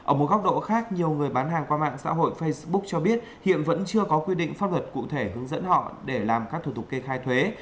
ở một góc độ khác nhiều người bán hàng qua mạng xã hội facebook cho biết hiện vẫn chưa có quy định pháp luật cụ thể hướng dẫn họ để làm các thủ tục kê khai thuế